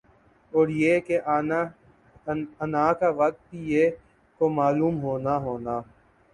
اور یِہ کا آنا کا وقت بھی یِہ کو معلوم ہونا ہونا